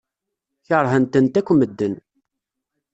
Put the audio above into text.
Keṛhen-tent akk medden.